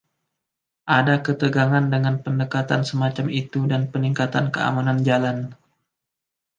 Ada ketegangan dengan pendekatan semacam itu dan peningkatan keamanan jalan.